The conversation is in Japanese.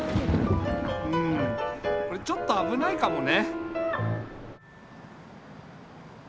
うんこれちょっとあぶないかもね。